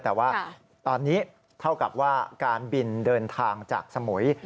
แต่ว่าตอนนี้เท่ากับว่าการบินเดินทางจากสมุย